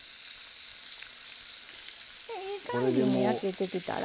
でいい感じに焼けてきたら。